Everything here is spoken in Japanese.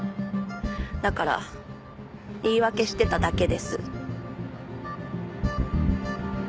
だから言い訳してただけです。